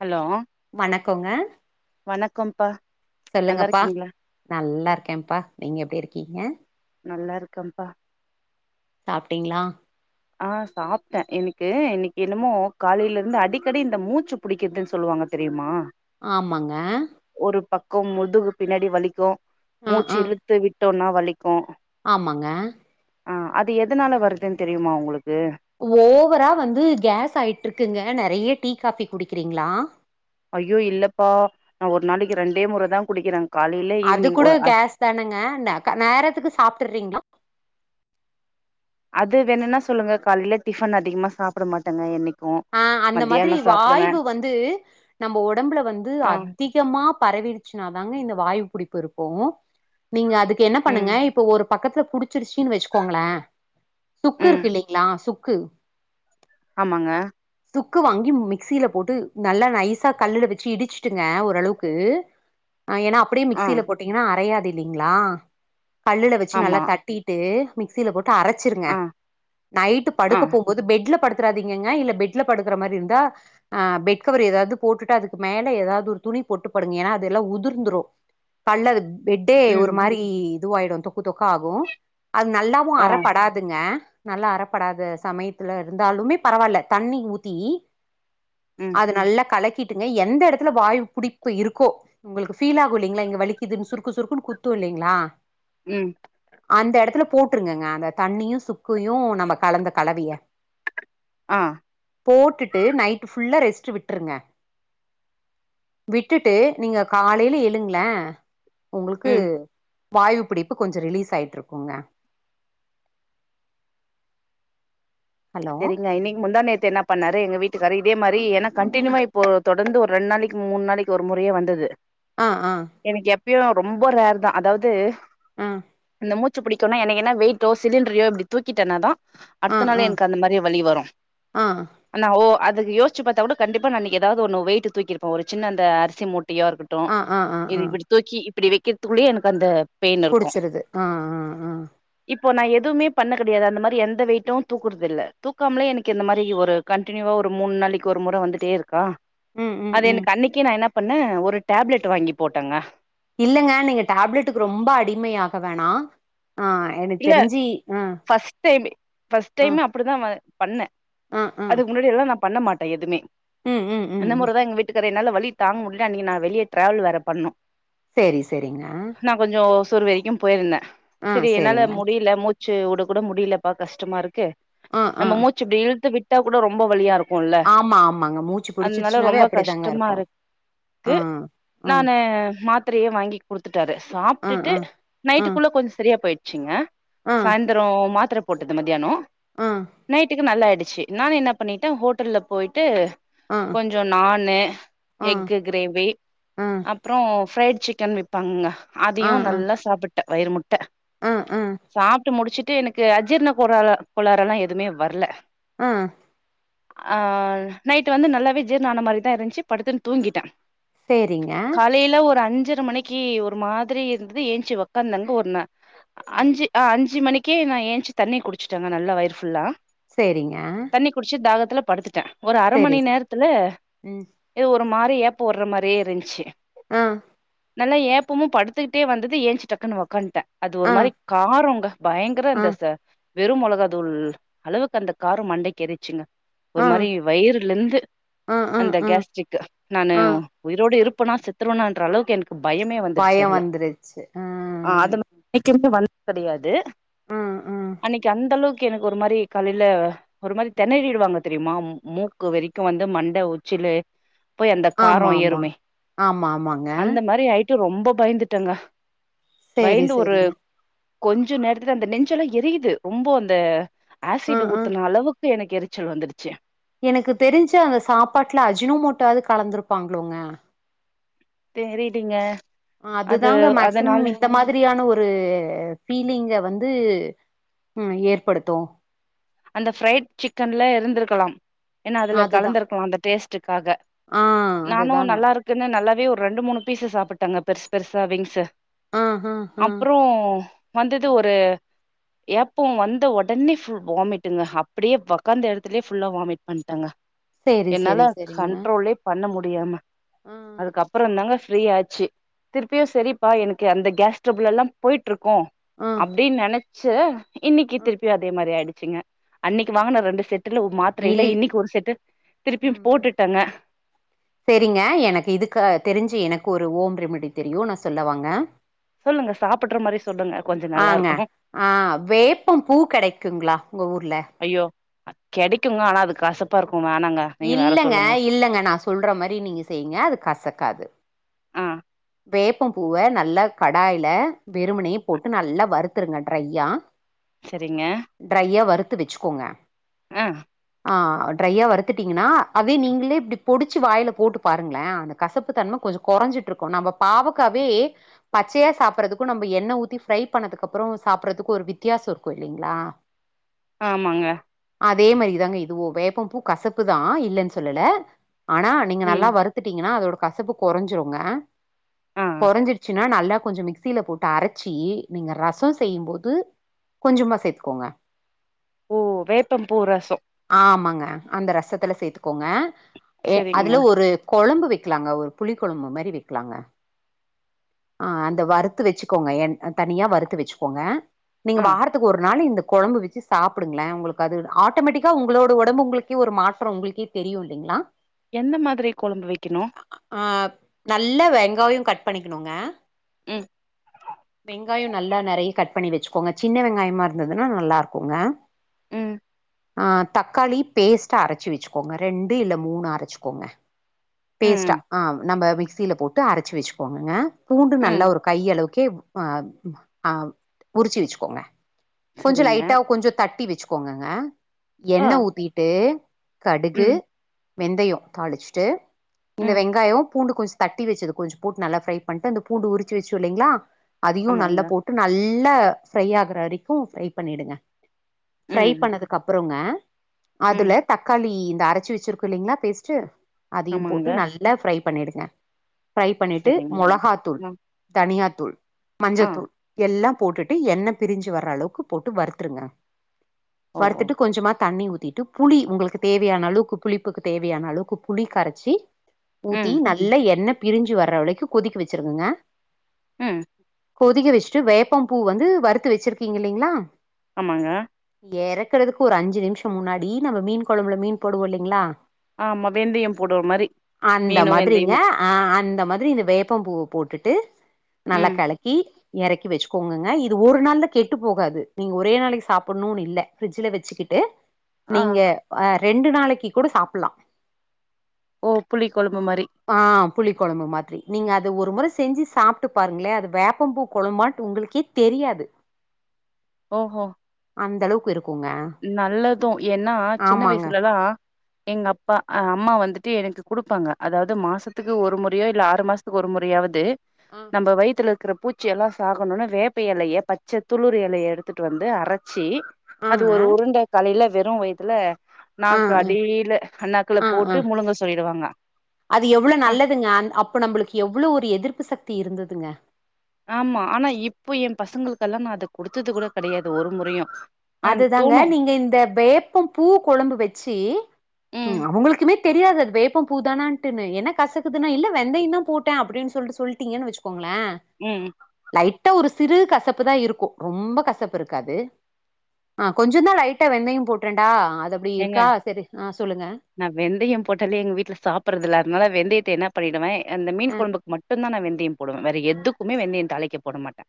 hello வணக்கோங்க வணக்கம்ப்பா நல்லா சொல்லுங்கப்பா இருக்கீங்களா நல்லா இருக்கேன்ப்பா நீங்க எப்டி இருக்கீங்க நல்லா இருக்கேன்ப்பா சாப்ட்டீங்ளா ஆ சாப்ட எனக்கு இன்னைக்கு என்னமோ காலைலருந்து அடிக்கடி இந்த மூச்சு பிடிக்குதுன் சொல்லுவாங் க தெரியுமா ஆமாங்க கும் முதுகு பின்னாடி வலிக்கு ஆ மூச்சு ஆ இழுத்து விட்டோனா வலிக்கு ஆமாங்க ஆ அது எதனால வருதுன் தெரியுமா ஒங்ளுக்கு ஓவரா வந்து கேஸ் ஆயிட்ருக்குங்க நிறைய டீ காபி குடிக்கிறீங்ளா ஐயோ இல்லப்பா நா ஒரு நாளைக்கு ரெண்டே முறதா குடிக்கிற அது கூட கேஸ் தானங்க அந்த க நேரத்துக்கு சாப்ட்டுறீங்ளா அது வேணுன்னா சொல்லுங்க காலைல டிஃபன் அதிகமா சாப்ட மாட்டங்க என்னைக் அ அந்த மாதிரி வாய்வு வந்து நம்ம ஒடம்புல வந்து ஆ அதிகமா பரவிடுச்சுனாதாங்க இந்த வாயு புடிப்புருக்கு நீங்க அதுக்கு என்ன ம் பண்ணுங்க இப்ப ஒரு பக்கத்துல புடிச்சிருச்சுனு வச்சுக்கோங்களே சுக்கு ம் இருக்குல்லலைங்ளா சுக்கு ஆமாங்க துக்கு வாங்கி மிக்சில போட்டு நல்லா நைஸா கல்லுல வச்சு இடிச்சுட்ங்க ஓரளவுக்கு ஹ்ம் அ ஏனா அப்டியே மிக்சில போட்டிங்னா அறையாது இல்லிங்ளா கல்லுல வச்சு நல்லா ஆமா தட்டிட்டு மிக்சில போட்டு அரச்சிருங்க ஆ நைட்டு ஆ படுக்க போம்போது பெட்ல படுத்துறாதீங்கங்க இல்ல பெட் பெட்ல படுக்கற மாரி இந்தா அஹ் பெட் கவர் எதாவது போட்டுட்டு அதுக்கு மேல எதாவது ஒரு துணி போட்டு படுங்க எனா அது ல உதிர்ந்துரு கல்லது பெட்டே ஒரு ம் மாரி இதுவாயிடு தொக்கு தொக்காகும் அது நல்லாவு ஆ அறப்படாதுங்க நல்லா அறப்படாத சமயத்ல இருந்தாலுமே பரவால்ல தண்ணி ஊத்தி ம் அது நல்ல கலக் கிட்டுங்க எந்த இடத்துல வாயு புடிப்பு இருக்கோ உங்ளுக்கு பீல் ஆகு இல்லிங்ளா இங்க வலிக்குதுன் சுருக்கு சுருக்குன் குத்து இல்லிங்ளா ம் அந்த எடத்துல போட்ருங்கங்க அந்த தண்ணியு சுக்கையு நம்ம கலந்த கலவைய ஆ போட்டுட்டு நைட்டு் ஃபுல்லா ரெஸ்ட்டு விட்ருங்க விட்டுட்டு நீங்க காலைல எழுங்ளே உங்கள்க்கு ம் வாய்வு பிடிப்பு கொஞ்ச ரிலீஸ் ஆயிட்ருக்குங்க செரிங்க இன்னைக்கு முந்தா நேத்து என்ன பண்ணார் ரு எங்க வீட்டுக்காரு இதே மாரி ஏனா கண்ட்டினியூவா இப்போ தொடர்ந்து ஒரு ரெண்ட் நாளைக்கு மூண் நாளைக்கு ஒரு முறையே வந்தது ஆ ஆ இப்பயு ரொம்ப ரேர்தா அதாவ்து ஆ மூச்சு புடிக்குனா எனக்கென்ன வெயிட்டோ சிலிண்ரயோ இப்டி தூக்கிட்டனாதா ஆ அடுத்த நாள் ஆ எனக் கு அந்த மாரியே வலி வரு ஆனா ஓ அதுக்கு யோஸ்ச்சு பாத்தா கூட கண்டிப்பா நா இன்னைக்கு எதாவ்து ஒன்னு வெயிட்டு தூக்கிருப்ப ஒரு சின்ன அந்த அரிசி மூட் டியா இருக்கட்டு ஆ ஆ ஆ இது ஆ இப்டி தூக்கி இப்டி வெக்கிறதுக்குள்ளயே எனக்கு அந்த பெயின் இருக்கு புடிச்சிருது ஆ ஆ ஆ இப்போ நா எதுமே பண்ண கெடையாது அந்த மாரி எந்த வெயிட்டு தூக் க்குறதில்ல தூக்காம்லே எனக்கு இந்த மாரி ஒரு கண்ட்டினியூவா ஒரு மூண் நாளைக்கு ஒரு முற வந்துட்டே இருக்கா ம் ம் அது ம் எனக்கு அன்னைக்கே நா என்ன பண்ணே ஒரு டேப்லெட் வாங்கி போட்டங்க இல்லங்க நீங்க டேப்லெட்டுக்கு ரொம்ப அடிமையாக வேணா ஆ எனக்கு இல்ல தெரிஞ்சு ஆ ஃபஸ்ட் டைமு ஃபஸ்ட் ஆ டைமு அப்டிதா வா பண்ண ஆ ஆ அதுக்கு முன்னாடியெல்லா நா பண்ண மாட்ட எதுமே ம் ம் ம் அந்த ம் மொறதா எங்க வீட்டுக்கார் ரு என்னால வலி தாங்க முட்ல அன்னக்கு நா வெளிய டிராவல் வேற பண்ணோ சேரி சேரிங்க துரு வைக்கு போயிருந்தே ஆ செரி என்னால சேரிங்க முடிய்ல மூச்சு வுடக் கூட முடிய்லப்பா கஷ்டமா இருக்கு ஆ ஆ நம்ம மூச்சு இப்டி இழுத்து விட்டாக் கூட ரொம்ப வலியா இருக் க்குல்ல ஆமா ஆமாங்க மூச்சு அதனால புடிச்சிருச்சுனாவே ரொம்ப அப்டிதாங்க கஷ்டமா இருக்கு இருக் ஆ க்கு ஆ நானு மாத் த்தரையே வாங்கி குடுத்துட்டாரு ஆ சாப்ட்டுட்டு ஆ ஆ நைட்டுக்குள்ள கொஞ்ச சரியா போயிட்ச்சுங்க ஆ ஆ சாய்ந்தரோ மாத்தர போட்டது மத்யானோ ஆ நைட்டுக்கு நல்லா ஆயிடுச் சேர் நானு என்ன பண்ணிட்டே ஹோட்டல்ல போயிட்டு ஆ ஆ கொஞ்சொ நானு ஆ எக்கு கிரேவி அப்றோ ஃப்ரைட் சிக்கன் விப்பாங்கங்க ஆ ஆ அதையு நல்லா சாப்புட்டே வயிறு முட்ட சாப்ட்டு முடிச்சுட்டு எனக்கு அஜீர்ண கோறாறு கோலாரெல்லா எதுமே வர்ல ஆ ஆ நைட்டு வந்து நல்லாவே ஜீர்ண ஆன மாரிதா இருந்ச்சு படுத்துன்னு தூங்கிட்டே சேரிங்க காலைல ஒரு அஞ்சர் சர மணிக்கு ஒரு மாதிரி இருந்தது ஏந்ச்சு ஒக்காந்தாங்க ஒ நா அஞ்சு அ அஞ்சு ஞ்சு மணிக்கே நா ஏந்ச்சு தண்ணிய குடிச்சட்டங்க நல்லா வயிறு ஃபுல்லா சேரிங்க தண்ணி குடிச்சிட் தாகத்துல படுத்துட்டே ஒரு அர சேரி மணி சே நேரத்துல ம் இது ஒரு மாரி ஏப்பொ வுட்ற மாரியே இருந்துச்சு ஆ நல்லா ஏப்பமு படுத்துக்கிட்டே வந்தது ஏந்ச்சு டக்குனு ஒக்காந்ட்டே இது ஒரு ஆ மாரி காரோங்க பயங்கர ஆ அந்த ச வெறு மொளகா தூள் அளவுக்கு அந்த கார மண்டைக்கு ஏறிருச்சுங்க ஒரு ஆ மாரி வயிறுலந்து ஆ ஆ அந்த கேஸ்சிக்கு நானு ஆ ஆ உயிரோட இருப்பனா செத்துருவனான்ற அளவுக்கு எனக்கு பயமே வந்துருச்சு பயோ அதுல வந்துருச்சு ஆ அது ம குமே வந் கெடையாது ஆ ஆ அன்னைக்கு அந்த அளவுக்கு எனக்கு ஒரு மாரி காலைல ஒரு மாரி தெனறிருவாங்க தெரியுமா ம் மூக்கு வரைக்கு வந்து மண்ட உச்சிலே போய் அந்த கார ஆமா ஆமா ஏறுமே ஆமா ஆமாங்க அந்த மாரி ஆயிட்டு ரொம்ப பயந்துட்டங்க சேரி சேரிங்க கொஞ்சம் நேரத்துல அந்த நெஞ்செல்லாம் எரிது ரொம்ப அந்த ஆ ஆசிட் ஆ ஊத்தன அளவுக்கு எனக்கு எரிச்சல் வந்துருச்சு எனக்கு தெரிஞ்சு அந்த சாப்பாட்ல அஜினோ மோட்டாவது கலந்திருப்பாங்களோங்க தெரிலீங்க அது அதுதாங்க மேக்சிமம் அதனால இந்த மாதிரியான ஒரு ஃபீலிங்க வந்து ம் ஏற்படுத்து அந்த ஃப்ரைட் சிக்கன்ல இருந்திருக்கலா ஏன்னா அதுல அதுதா கலந்திருக்கலா அந்த டேஸ் க்காக ஆ நானும் அதுதான நல்லா இருக்குன்னு நல்லாவே ஒரு ரெண்டு மூணு பீஸு சாப்புட்டங்க பெருசு பெருசா விங்ஸ்ஸு ஆ ஆ ஆ அப்றொ வந்தது ஒரு ஏப்போ வந்த ஒடனே ஃபுல் வாமிட்டுங்க அப்படியே வொக்காந்த எடத்துலயே ஃபுல்லா வாமிட் பண்ட்டங்க சேரி என்னால சேரி சேரிங்க கண்ட்ரோலே பண்ண முடியாம ஆ அதுக்கப்புறந்தாங்க ஃப் ஃப்ரீ ஆச்சு திருப்பியு சரிப்பா எனக்கு அந்த கேஸ் ட்ரபுல் எல்லாஃபோய்ட் ட்டுருக்கு ஆ அப்டின் நெனச்சு இன்னிக்கி ஆ திருப்பியு அதே மாரி ஆயிடுச்சுங்க அன்னைக்கு வாங்குன ரெண்டு செட்டுல ஒரு மாத்திரையில இல் இன்னைக்கி ஒரு செட்டு திருப்பியு ம் ம் போட்டுட்டங்க சேரிங்க எனக்கு இதுக்கு தெரிஞ்சி எனக்கு ஒரு ஹோம் ரெமிடி தெரியு நா சொல்ல வாங்க சொல்லுங்க சாப்புட்ற மாரி சொல்லுங்க கொஞ்ச அ நல்லாருக்கு அ வேப்பம் பூ கெடைக்குங்களா உங்க ஊர்ல ஐயோ அ கெடைக்குங்க ஆனா அது கசப்பா இருக்கு வேணாங்க நீங்க வேற இல்லங்க சொல்லுங்க இல்லங்க நான் சொல்ற மாரி நீங்க செய்ங்க அது கசக்காது ஆ வேப்பம் பூவ நல்லா கடாய்ல வெறுமனே போட்டு நல்லா வறுத்துருங்க ட்ரைய்யா சரிங்க ட்ரையா வறுத்து வச்சுக்கோங்க அ அ ட்ரையா வருத்துட்டீங்கன்னா அத நீங்களே இப்படி பொடிச்சு வாயல போட்டு பாருங்களே அந்த கசப்பு தன்மை கொஞ்சம் குறைஞ்சிட்டு இரு நம்ம பாவக்காவே பச்சையா சாப்பிடறதுக்கு நம்ம எண்ணஊத்தி ஃப்ரை பண்ணதுக்கு அப்புற சாப்பறதுக்கு ஒரு வித்தயாசோ இருக்கு இல்லைங்களா ஆமாங்க அதே மாதிரிதாங்க இதுவு வேப்பம் பூ கசப்புதா இல்லன்னு சொல்லல ஆனா நீங்க நல்லா ம் வருத்துட்டீங்கன்னா அதோட கசப்பு குறைஞ்சிருங்க அ கொறைஞ்சிருச்சுன்னா நல்லா கொஞ்ச மிக்சில போட்டு அரைச்சி நீங்க ரசம் செய்யும்போது கொஞ்சமா சேத்துக்கோங்க ஓ வேப்பம் பூ ரசம் அ அந்த ரசத்துல சேத்துக்கோங்க சரிங்க அதுல ஒரு கொழம்பு வைக்கலாங்க ஒரு புளி கொழம்பு மாரி வை லாங்க அ அந்த வறுத்து வச்சுக்கோங்க என்க்ஷக எ தனியா வறுத்து வச்சுக்கோங்க நீங்க ஆ வாரத்துக்கு ஒரு நாள் இந் கொழம்பு வச்சு சாப்பிடுங்களே உங்களுக்கு அது ஆட்டோமேட்டிக்கா உங்களோட உடம்பு உங்களுக்கே ஒரு மாற்றம் உங்களுக்கே தெரியும் இல்லைங்களா எந்த மாதிரி கொழம்பு வக்கணு ஆ நல்லா வெங்காயம் கட் பண்ணிக்கணுங்க ம் வெங்காயம் நல்லா நெறையா கட் பண்ணி வச்சுக்கோங்க சின்ன வெங்காயமா இருந்ததுன்னா நல்லா இருக்குங்க ம் அ தக்காளி பேஸ்ட்ட அரைச்சு வச்சுக்கோங்க ரெண்டு இல்ல மூணு அரைச்சுக்கோங்க பேஸ்டா ம் அ நம்ம மிக்சியில போட்டு அரைச்சு வச்சுக்கோங்கங்க பூண்டு ம் நல்ல ஒரு கைய அளவுக்கு [unintelligible] உறிச்சு வச்சுக்கோங்க சரிங்க கொஞ்சலைட்டா கொஞ்ச தட்டி வச்சுக்கோங்கங்க ஆ எண்ண ஊத்திட்டு கடுகு ம் வெந்தயம் தாளிச்சுட்டு இந்த ம் வெங்காயம் பூண்டு கொஞ்சம் தட்டி வச்சது கொஞ்ச போட்டு நல்லா ஃப்ரை பண்ட்டு அந்த பூண்டு உரிச்சு வச்சு இல்லைங்களா அதையு நல்லா ஆமாங்க போட்டு நல்லா நல்லா ஃப்ரை ஆகுற வரைக்கு ஃப்ரை பண்ணிடுங்க ஃப்ரை ம் பண்ணதுக்கு அப்புறங்க ம் அதுல தக்காளி இந்த அரச்சு வெச்சிருக்கு இல்லைங்களா பேஸ்ட்டு அதையு ஆமாங்க போட்டு நல்லா ஃப்ரை பண்ணிடுங்க ஃப்ரை பண்ணிட்டு சரிங்க மொளாகாத்தூள் ஆ தனியாத்தூள் ஆ மஞ்சத்தூள் எல்லா போட்டுட்டு என்ன பிரிஞ்சி வர்ற அளவுக்கு போட்டு வறுத்துருங்க ஓ ஓ வறுத்துட்டு கொஞ்சமா தண்ணி ஊத்திட்டு புளி உங்களுக்கு தேவையான அளவுக்கு புளிப்புக்கு தேவையான அளவுக்கு புளி கரச்சி ஊத்தி ம் நல்லா எண்ண பிரிஞ்சு வர்ற வலைக்கு கொதிக்க வெச்சிருங்கங்க ம் கொதிக்க வெச்ட்டு வேப்பம் பூ வந்து வறுத்து வெச்சிருக்கீங்க இல்லைங்களா ஆமாங்க எறக்குறதுக்கு ஒரு அஞ்சு நிமிஷொ முன்னாடி நம்ம மீன் கொழம்புல மீன் போடுவோ இல்லைங்களா ஆமா வெந்தய போடுற மாரி அந்த மீனு மாதிரிங்க வெந்தயமு ஆ அந்த மாதிரி இந்த வேப்பம் பூவ போட்டுட்டு நல்லா ம் கலக்கி எறக்கி வச்சுக்கோங்கங்க இது ஒரு நாள்ல கெட்டு போகாது நீங்க ஒரே நாளைக்கு சாப்பிட்ணுன் இல்ல ஃபிரிட்ஜுல வெச்சுக்குட்டு ஆ நீங்க ஆ ரெண்டு நாளைக்கு கூட சாப்பிலா ஓ புளி கொழும்பு மாரி புளி கொழம்பு மாதிரி நீங்க அது ஒரு முற செஞ்சு சாப்ட்டு பாருங்களே அது வேப்பம்பூ கொழம்மாட்டு உங்களுக்கே தெரியாது ஓஹோ அந்த அளவுக்கு இரு நல்லது ஏன்னா சின்ன ஆமாங்க வயசுலல்லா எங்க அப்பா ஆ அம்மா வந்து த்து எனக்கு குடுப்பாங்க அதாவது மாசத்துக்கு ஒரு முறையோ இல்ல ஆறு மாசத்துக்கு ஒரு முறையாவது ஆ நம்ப வயித்துல இருக்குற பூச்சிெல்லா சாகணுன்னு வேப்ப எலைய பச்ச துளிர் எலைய எடுத்துட்டு வந்து அரச்சு அது ஆங்க ஒரு உருண்ட காலையில வெறு வயதுல ஆ நாக்கு அடியில நாக்குள்ள ஆ ஆ ஆ போட்டு முழுங்க சொல்லிடுவாங்க அது எவ்ளோ ஆ நல்லதுங்க அந் அப்போ நம்பளுக்கு எவ்ளோ ஒரு எதிர்ப்பு சக்தி இருந்ததுங்க ஆமா ஆனா இப்போ எ பசங்களுக்கெல்லா நா அத குடுத்தது கூட கெடையாது ஒரு முறையு ஆ அதுதாங்க தோணு நீங்க இந்த வேப்பம் பூ கொழம்பு வெச்சு ம் அவங்களுக்குமே தெரியாது அது வேப்பம் பூதானாண்டுனு என்ன கசக்குதுன்னா இல்ல வெந்தய தா போட்டே அப்டின் சொல்ட்டு சொல்லிட்டீங்கன்னு வச்சுக்கோங்க களே ம் லைட்டா ஒரு சிறு கசப்பு தா இருக்கு ரொம்ப கசப்பு இருக்காது ஆ கொஞ்ச தா லைட்டா வெந்தய போட்டேண்டா எங்க நா வெந்தய போட்டாலே எங்க வீட்டுல சாப்பறதுல்ல அதுனால வெந்தய த என்ன பண்ணிடுவே அந்த மீன் ஆ கொழம்புக்கு மட்டு தா நா வெந்தய போடுவேனவேற எதுக்குமே வெந்தய தலைக்கு போட மாட்டே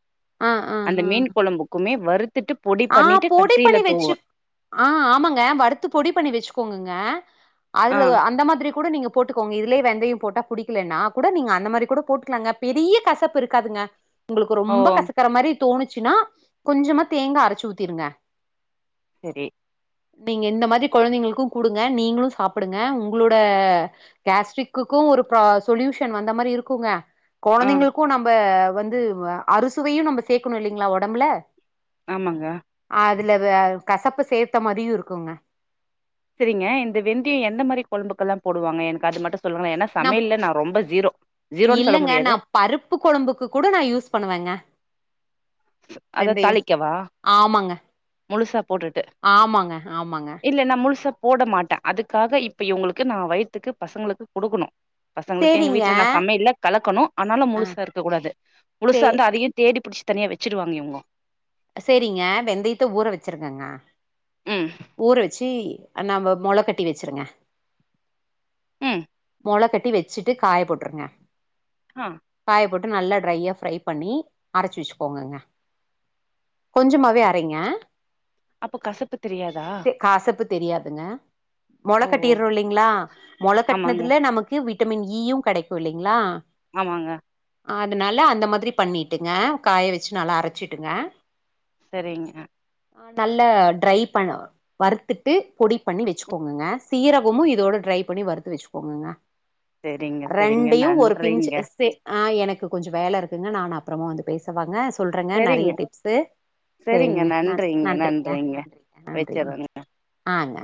ஆ ஆ அந்த ஆ மீன் கொழம்புக்குமே வரு ஆ பொடி பண்ணி வெச்சு ஆ ஆமாங்க வறு த்து பொடி பண்ணி வச்சுக்கோங்கங்க ஆ அதுல அந்த மாதிரி கூட நீங்க போட்டுக்கோங்க இதுலயே வெந்தைய போட்டா புடிக்கலன்னா கூட நீங்க அந்த மாரி கூட போட்டுக்கலாங்க பெரிய கசப்பு இருக்காதுங்க உங்களுக்கு ரொம்ப ஓ கசக்கற மாரி தோணுச்சுன்னா கொஞ்சமா தேங்கா அரச்சு ஊத்திருங்க சரி நீங்க இந்த மாரி கொழந்தைங்களுக்கு குடுங்க நீங்களு சாப்புடுங்க உங்களோட கேஸ்ட்ரிக்குக் கு ஒரு ப சொல்யூஷன் வந்த மாரி இருக்குங்க ஆ கொழந்தைங்களுக்கு நம்ப வந்து வ அறுசுவையு நம்ம சேக்கணு இல்லைங்களா ஒடம்புல ஆமாங்க அதுல வ கசப்பு சேத்த மாரியு இருக்குங்க சரிங்க இந்த வெந்திய எந்த மாரி கொழம்புக்கெல்லா போடுவாங்க எனக்கு அது மட்டும் சொல்லுங் ஏன்னா சமையல்ல நா ரொம்ப ஜீரோ ஜுரோன் சொல்ல இல்லங்க நா முடியாது பருப்பு கொழம்புக்கு கூட நா யூஸ் பண்ணுவேங்க அத வெந்தயோ தாளிக்கவா ஆமாங்க முழுசா போட்டுட்டு ஆமாங்க ஆமாங்க இல்ல நா முழுச்சா போட மாட்டே அதுக்காக இப்ப இவங்களுக்கு நா வயித்துக்கு பசங்களுக்கு குடுக்கணு பசங்களுக்கு எங்க சேரிங்க வீட்டுல நா சமையல்ல கலக்கணு ஆனாலு ஆ முழுசா இருக்க கூடாது சே முழுசா இருந்தா அதையோ தேடி புடிச் தனியா வெச்சிடுவாங்க இவங்கோ சேரிங்க வெந்தயத்த ஊற வச்சிருக்கங்க ம் ஊற வச்சு நம்ப மொள கட்டி வச்சிருங்க உம் மொள கட்டி வச்சுட்டு காய போட்டுருங்க ஆ காய போட் நல்லா டிரையா ஃப்ரை பண்ணி அரைச்சு வச்சுக்கோங்கங்க கொஞ்சமாவே அரைங்க அப்ப கசப்பு தெரியாதா தே கசப்பு தெரியாதுங்க மொள ஓ கட்டிறோ இல்லைங்களா மொள ஆமாங்க கட்னதுல நமக்கு விட்டமின் ஈயு கடைக்கு இல்லைங்களா ஆமாங்க அதனால அந்த மாதிரி பண்ணிட்டுங்க காய வச்சு நல்லா அரைச்சிடுங்க சரிங்க ஆ நல்ல ட்ரை பண்ண வறுத்துட்டு பொடி பண்ணி வச்சுக்கோங்கங்க சீரகமு இதோட ட்ரை பண்ணி வறுத்து வச்சுக்கோங்கங்க சரிங்க சரிங்க ரெண்டையு ஒரு பிஞ்சு நன்றிங்க சே ஆ எனக்கு கொஞ்சோ வேல இருக்குங்க நானு அப்பறமா வந்து பேசவாங்க சொல்றங்க சரிங்க நெறைய டிப்சு சேரிங்க நன் நன்றிங்க நன்றிங்க நன்றிங்க வச்சறேங்க ஆங்க